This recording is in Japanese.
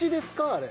あれ。